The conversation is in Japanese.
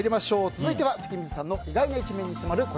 続いては関水さんの意外な一面に迫る